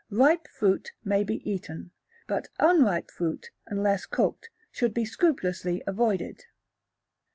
Ripe fruit may be eaten, but unripe fruit, unless cooked should be scrupulously avoided.